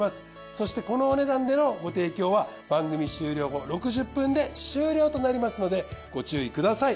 そしてこのお値段でのご提供は番組終了後６０分で終了となりますのでご注意ください。